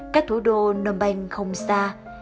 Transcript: các thủ đô nông banh không xa